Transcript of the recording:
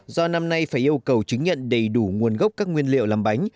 do năm nay phải yêu cầu chứng nhận đầy đủ nguồn gốc các nguyên liệu làm bánh